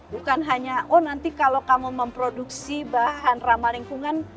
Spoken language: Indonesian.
bukan hanya oh nanti kalau kamu memproduksi bahan ramah lingkungan